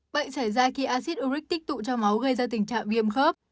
bệnh xảy ra khi acid uric tích tụ cho máu gây ra tình trạng viêm khớp